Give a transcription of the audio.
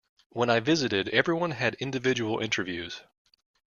When I visited everyone had individual interviews.